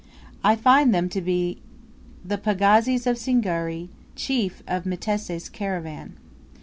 I find them to be the pagazis of Singiri, chief of Mtesa's caravan.